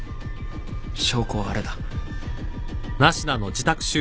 証拠はあれだ。